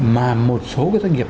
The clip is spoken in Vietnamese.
mà một số cái doanh nghiệp